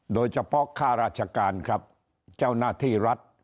โดยเฉพาะค่าราชการครับเจ้าหน้าที่รัฐ